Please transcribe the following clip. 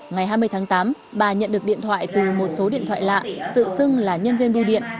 ngày hai mươi tháng tám bà nhận được điện thoại từ một số điện thoại lạ tự xưng là nhân viên biêu điện